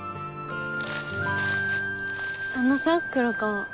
あのさ黒川。